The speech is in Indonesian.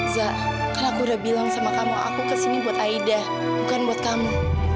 za kalau aku udah bilang sama kamu aku kesini buat aida bukan buat kamu